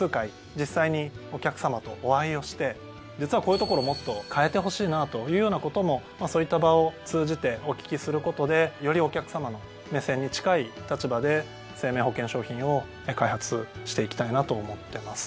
実際にお客さまとお会いをして実はこういうところもっと変えてほしいなというようなこともそういった場を通じてお聞きすることでよりお客さまの目線に近い立場で生命保険商品を開発していきたいなと思ってます。